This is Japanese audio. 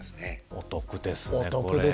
お得ですね。